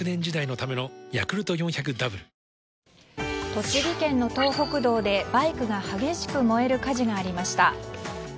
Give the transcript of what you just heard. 栃木県の東北道でバイクが激しく燃える火事がありました。